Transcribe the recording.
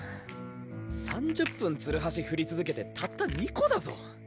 ３０分ツルハシ振り続けてたった２個だぞ。